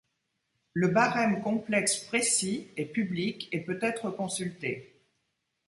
Le barème complexe précis est public et peut être consulté.